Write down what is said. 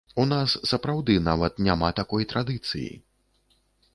У нас сапраўды нават няма такой традыцыі.